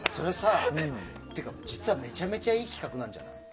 実はめちゃめちゃいい企画なんじゃない？